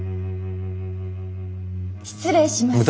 失礼します。